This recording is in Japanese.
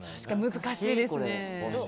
難しいですね。